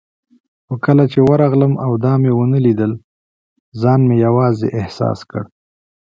خو کله چې ورغلم او دا مې ونه لیدل، ځان مې یوازې احساس کړ.